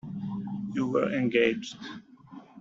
You were engaged.